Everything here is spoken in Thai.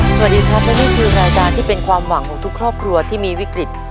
สวัสดีครับและนี่คือรายการที่เป็นความหวังของทุกครอบครัวที่มีวิกฤต